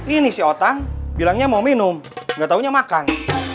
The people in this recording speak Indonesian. ini si otang bilangnya mau minum gak taunya makan